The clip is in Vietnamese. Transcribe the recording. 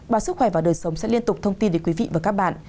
báo sức khỏe và đời sống sẽ liên tục thông tin đến quý vị và các bạn